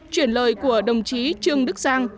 chuyển lời của đồng chí trương đức giang